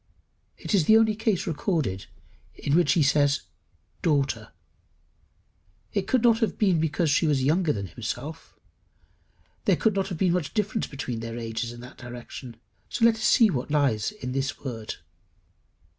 It is the only case recorded in which he says Daughter. It could not have been because she was younger than himself; there could not have been much difference between their ages in that direction. Let us see what lies in the word.